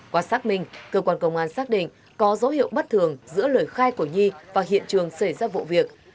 qua xác minh cơ quan công an xác định có dấu hiệu bất thường giữa lời khai của nhi và hiện trường xảy ra vụ việc